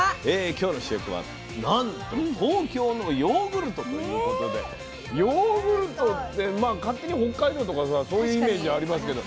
今日の主役はなんと東京のヨーグルトということでヨーグルトって勝手に北海道とかさそういうイメージありますけど東京で。